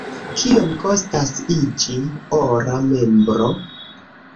Kiom kostas iĝi ora membro?